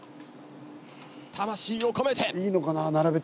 魂を込めて。